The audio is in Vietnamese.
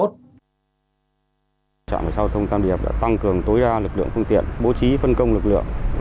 trạm cảnh sát giao thông tam điệp đã tăng cường tối đa lực lượng phương tiện bố trí phân công lực lượng